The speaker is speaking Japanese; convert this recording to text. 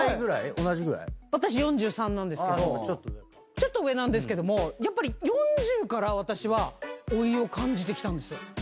ちょっと上なんですけどもやっぱり４０から私は老いを感じてきたんですよ。